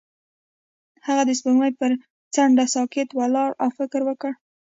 هغه د سپوږمۍ پر څنډه ساکت ولاړ او فکر وکړ.